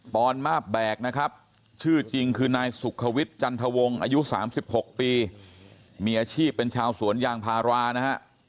อนมาบแบกนะครับชื่อจริงคือนายสุขวิทย์จันทวงอายุ๓๖ปีมีอาชีพเป็นชาวสวนยางพารานะฮะ